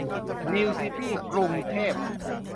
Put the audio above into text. นิวซิตี้ กรุงเทพ